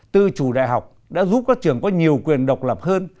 tự chủ đại học đã giúp các trường có nhiều quyền độc lập hơn